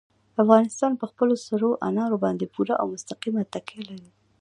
افغانستان په خپلو سرو انارو باندې پوره او مستقیمه تکیه لري.